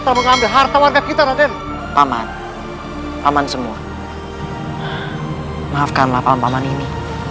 telah mengambil harta warga kita raden paman paman semua maafkanlah paman ini